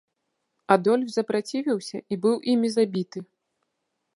Адольф запрацівіўся і быў імі забіты.